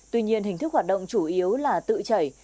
tuy nhiên hình thức hoạt động chủ yếu là tự chảy